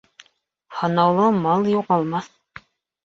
Һанаулы мал юғалмаҫ.